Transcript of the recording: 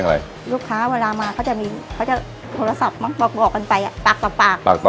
อะไรลูกค้าเวลามาเขาจะมีเขาจะโทรศัพท์มั้งบอกกันไปอ่ะปากต่อปากต่อ